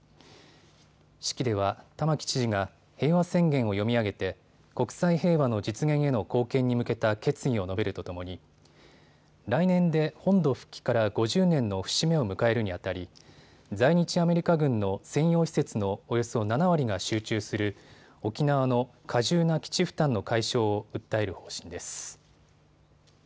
式では玉城知事が平和宣言を読み上げて国際平和の実現への貢献に向けた決意を述べるとともに来年で本土復帰から５０年の節目を迎えるにあたり在日アメリカ軍の専用施設のおよそ７割が集中する沖縄の過重な基地負担の解消を訴える方針です。